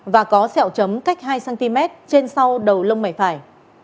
và có xẻo chấm cách hai cm trên sau đầu lông mảnh phải